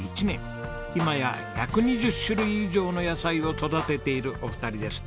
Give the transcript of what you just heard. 今や１２０種類以上の野菜を育てているお二人です。